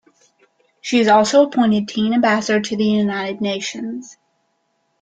She is also appointed Teen Ambassador to the United Nations.